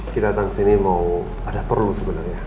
kita datang sini mau ada perlu sebenernya